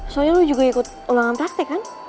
soalnya lo juga ikut ulangan praktek kan